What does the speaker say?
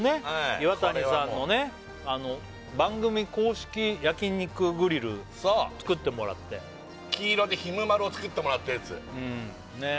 イワタニさんのね番組公式焼肉グリル作ってもらって黄色でひむまるを作ってもらったやつうんねっ